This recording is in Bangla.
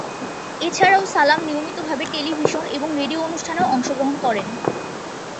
এ ছাড়াও সালাম নিয়মিত ভাবে টেলিভিশন এবং রেডিও অনুষ্ঠানেও অংশগ্রহণ করেন।